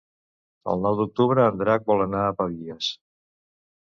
El nou d'octubre en Drac vol anar a Pavies.